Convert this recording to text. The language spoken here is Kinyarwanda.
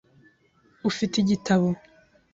Ufite igitabo?